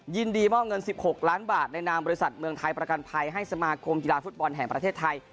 ยินดีมอบเงิน๑๖ล้านบาทในนามบริษัทเมืองไทยประกันภัยให้สมาคมกีฬาฟุตบอลแห่งประเทศไทย